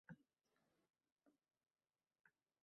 “Nega hech kim qaramadi!” – deb yubordi